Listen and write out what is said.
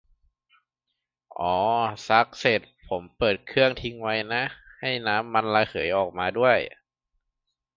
อ้อ ซักเสร็จผมเปิดฝาเครื่องทิ้งไว้นะ ให้น้ำมันระเหยออกมาด้วย